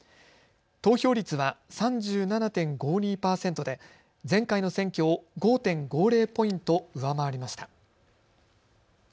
投票率は３７．５２％で前回の選挙を５．５０ポイント上回りました。